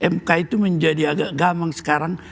mk itu menjadi agak gamang sekarang